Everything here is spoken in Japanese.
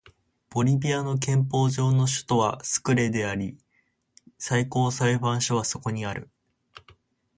ボリビアの憲法上の首都はスクレであり最高裁判所はそこにある